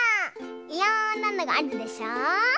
いろんなのがあるでしょ。